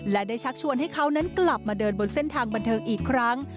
และได้ชักชวนให้เขานั้นกลับมาเดินบนเส้นทางบันเทิงอีกครั้ง